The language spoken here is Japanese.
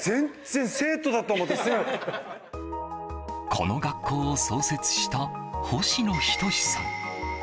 この学校を創設した星野人史さん。